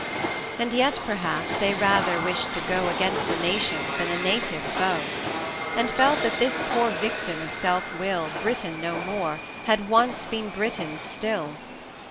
And, yet, perhaps, they rather wished to go Against a nation's than a native foe, And felt that this poor victim of self will, Briton no more, had once been Britain's still.